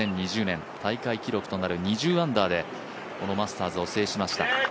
２０２０年大会記録となる２０アンダーで、このマスターズを制しました。